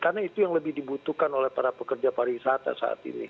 karena itu yang lebih dibutuhkan oleh para pekerja pariwisata saat ini